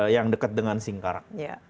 yang dekat dengan singkarak